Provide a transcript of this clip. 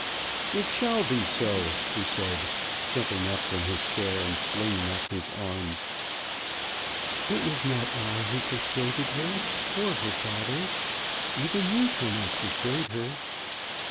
"It shall be so," he said, jumping up from his chair, and flinging up his arms. "It was not I who persuaded her, or her father. Even you cannot persuade her.